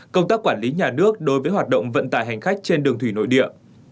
công tác quản lý nhà nước đối với hoạt động vận tải hành khách trên đường thủy nội địa